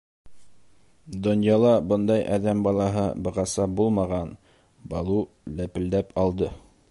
Донъяла бындай әҙәм балаһы бығаса булмаған, — Балу ләпелдәп алды.